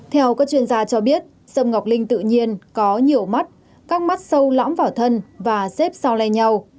theo các chuyên gia cho biết sâm ngọc linh tự nhiên có nhiều mắt các mắt sâu lõm vào thân và xếp sau le nhau